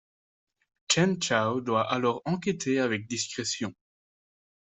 Chen Cao doit alors enquêter avec discrétion.